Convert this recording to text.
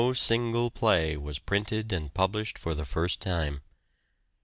single play was printed and published for the first time.